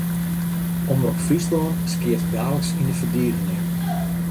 Omrop Fryslân skeat daliks yn de ferdigening.